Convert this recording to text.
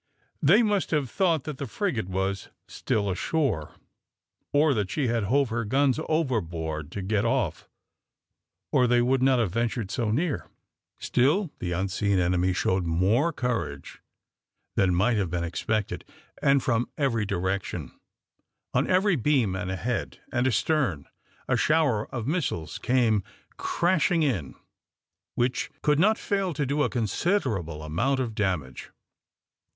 They must have thought that the frigate was still ashore, or that she had hove her guns overboard to get off, or they would not have ventured so near. Still the unseen enemy showed more courage than might have been expected, and from every direction, on each beam and ahead, and astern, a shower of missiles came crashing in which could not fail to do a considerable amount of damage.